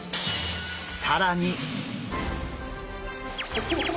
更に！